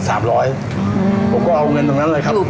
ผมก็เอาเงินตรงนั้นเลยครับ